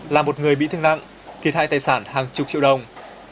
là một người bị thương nặng kỳ thai tài sản hàng chục triệu đồng